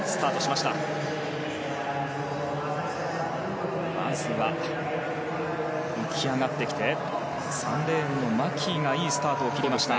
まずは浮き上がってきて３レーンのマキーがいいスタートを切りました。